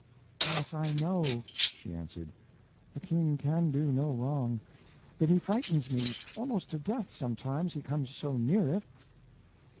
"Yes, I know," she answered. "The king can do no wrong; but he frightens me almost to death, sometimes, he comes so near it."